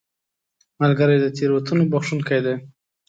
ملګری د تېروتنو بخښونکی دی